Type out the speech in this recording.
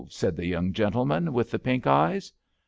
" said the young gentleman with the pink eyes.